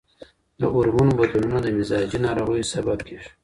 د هورمون بدلونونه د مزاجي ناروغیو سبب کېږي.